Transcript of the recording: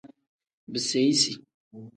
Biseyisi.